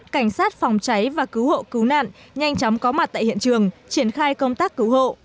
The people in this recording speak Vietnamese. cảnh sát phòng cháy và cứu hộ cứu nạn nhanh chóng có mặt tại hiện trường triển khai công tác cứu hộ